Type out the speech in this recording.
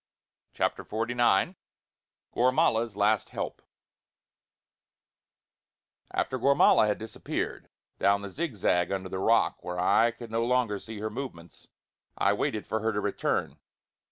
CHAPTER XLIX GORMALA'S LAST HELP After Gormala had disappeared down the zigzag under the rock, where I could no longer see her movements, I waited for her return.